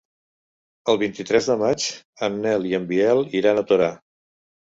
El vint-i-tres de maig en Nel i en Biel iran a Torà.